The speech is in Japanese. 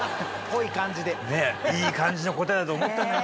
いい感じの答えだと思ったんだよ。